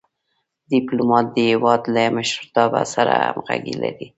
ډيپلومات د هېواد له مشرتابه سره همږغي لري.